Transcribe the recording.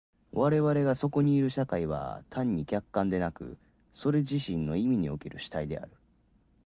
我々がそこにいる社会は単なる客観でなく、それ自身の意味における主体である。